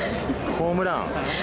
ホームラン？